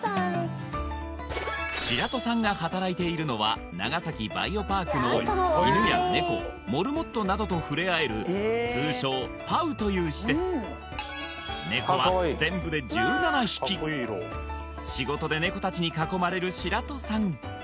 白土さんが働いているのは長崎バイオパークのイヌやネコモルモットなどと触れ合える通称ＰＡＷという施設ネコは全部で１７匹仕事でネコたちに囲まれる白土さん